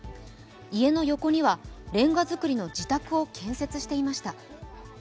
家の横にはれんが造りの自宅を建設していました。